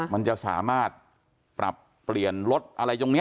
มันจะสามารถปรับเปลี่ยนรถอะไรตรงนี้